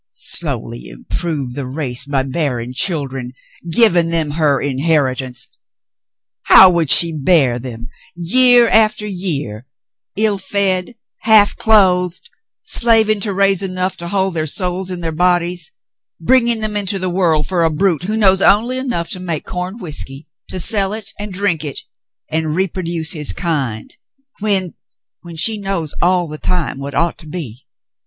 Slowly improve the race by bearing children — giving them her inheritance ! How would she bear them ? Year after year — ill fed, half clothed, slaving to raise enough to hold their souls in their bodies, bringing them into the world for a brute who knows only enough to make corn whiskey — to sell it — and drink it — and reproduce his kind — when — when she knows all the time what ought to be